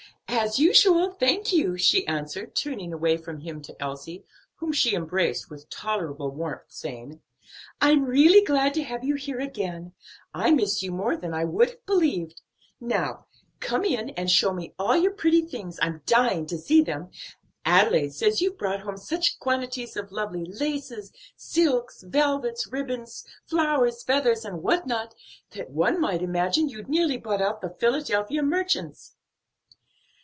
"As usual, thank you," she answered, turning from him to Elsie, whom she embraced with tolerable warmth, saying, "I'm really glad to have you here again. I missed you more than I would have believed. Now come in and show me all your pretty things. I'm dying to see them. Adelaide says you've brought home such quantities of lovely laces, silks, velvets, ribbons, flowers, feathers and what not, that one might imagine you'd nearly bought out the Philadelphia merchants."